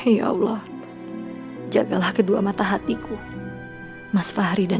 ya allah jagalah kedua mata hatiku mas fahri dan